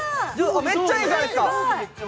めっちゃいいじゃないですか！